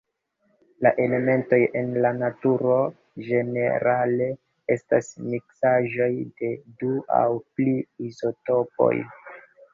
La elementoj en la naturo ĝenerale estas miksaĵoj de du aŭ pli izotopoj.